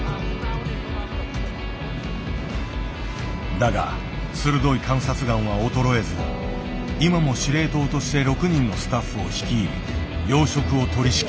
だが鋭い観察眼は衰えず今も司令塔として６人のスタッフを率い養殖を取りしきる。